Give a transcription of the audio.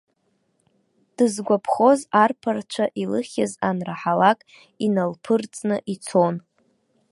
Дызгәаԥхоз арԥарцәа, илыхьыз анраҳалак, иналԥырҵны ицон.